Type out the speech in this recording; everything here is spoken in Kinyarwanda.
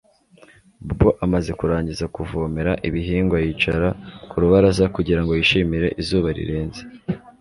Bobo amaze kurangiza kuvomera ibihingwa yicara ku rubaraza kugira ngo yishimire izuba rirenze